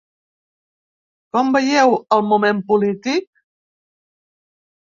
Com veieu el moment polític?